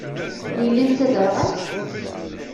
Yelli-m d taderɣalt?